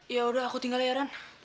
ya udah aku tinggal ya ran